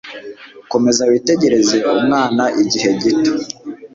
Komeza witegereze umwana igihe gito.